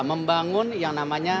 membangun yang namanya